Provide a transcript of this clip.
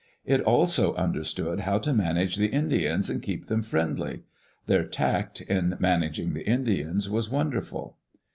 It also understood how to manage the Indians and keep them friendly. Their tact in managing the Indians was wonderful.